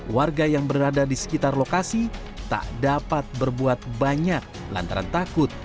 warga yang berada di sekitar lokasi tak dapat berbuat banyak lantaran takut